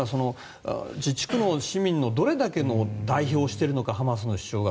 自治区の市民のどれだけ代表をしているのかハマスの主張が。